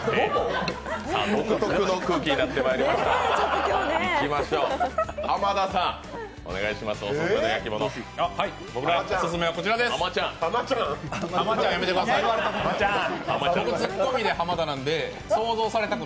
さあ、独特の空気になってまいりました。